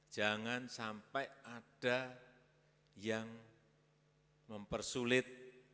jangan sampai ada yang mempersulit